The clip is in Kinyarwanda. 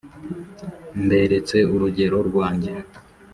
Mberetse urugero rwanjye.